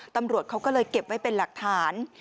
ตำรวจเขาก็เลยเก็บไว้เป็นหลักฐาน